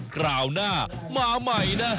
คราวหน้ามาใหม่นะ